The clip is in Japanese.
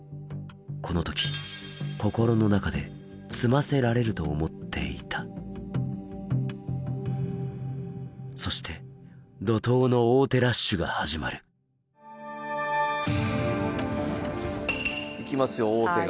この時心の中で詰ませられると思っていたそして怒とうの王手ラッシュが始まる行きますよ王手が。